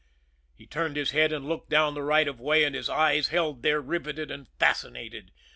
He turned his head and looked down the right of way, and his eyes held there, riveted and fascinated.